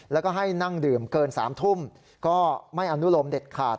แล้วก็ให้นั่งดื่มเกิน๓ทุ่มก็ไม่อนุโลมเด็ดขาด